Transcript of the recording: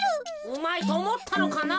うまいとおもったのかな？